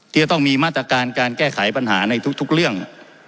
จะต้องมีมาตรการการแก้ไขปัญหาในทุกเรื่อง